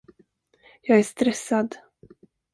Jag är stressad.